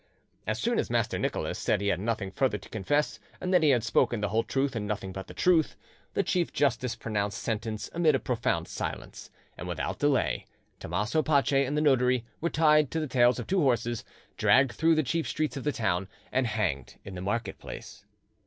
As soon as Master Nicholas said he had nothing further to confess, and that he had spoken the whole truth and nothing but the truth, the chief justice pronounced sentence amid a profound silence; and without delay Tommaso Pace and the notary were tied to the tails of two horses, dragged through the chief streets of the town, and hanged in the market place.